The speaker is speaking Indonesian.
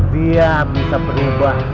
dia bisa berubah